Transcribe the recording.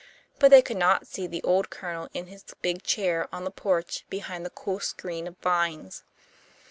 But they could not see the old Colonel in his big chair on the porch behind the cool screen of vines.